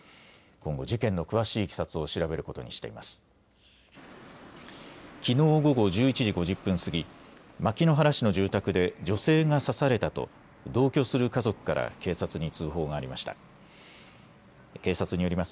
今後、事件の詳しいいきさつを調べることにしています。